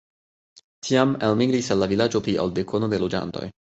Tiam elmigris el la vilaĝo pli ol dekono de loĝantoj.